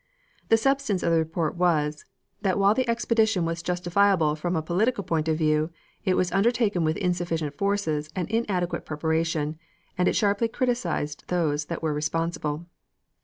The substance of the report was, that while the expedition was justifiable from a political point of view, it was undertaken with insufficient forces and inadequate preparation, and it sharply criticized those that were responsible.